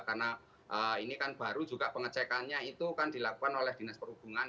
karena ini kan baru juga pengecekannya itu kan dilakukan oleh dinas perhubungan